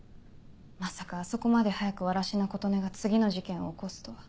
まさかあそこまで早く藁科琴音が次の事件を起こすとは。